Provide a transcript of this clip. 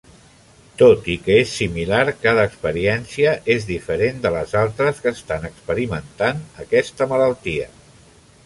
Tot i que és similar, cada experiència és diferent de les altres que estan experimentant aquesta malaltia.